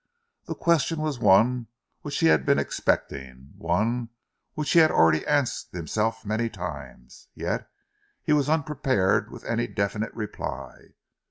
The question was one which he had been expecting, one which he had already asked himself many times, yet he was unprepared with any definite reply.